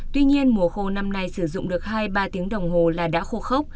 tuy nhiên mùa khô năm nay sử dụng được hai ba tiếng đồng hồ là đã khô khốc